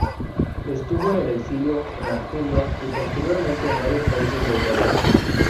Estuvo en el exilio en Argelia y posteriormente en varios países de Europa.